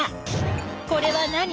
これは何？